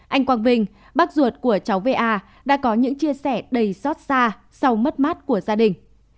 anh quang vinh bác ruột của cháu va đã có những chia sẻ đầy xót xa sau mất mát của gia đình